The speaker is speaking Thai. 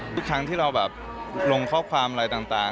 ทุกครั้งที่เราแบบลงข้อความอะไรต่าง